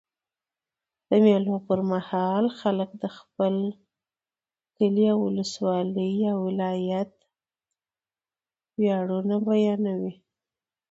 د مېلو پر مهال خلک د خپل کلي، اولسوالۍ یا ولایت ویاړونه بیانوي.